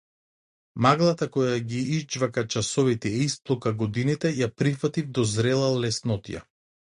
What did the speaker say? Маглата која ги изџвака часовите и исплука годините ја прифатив до зрела леснотија.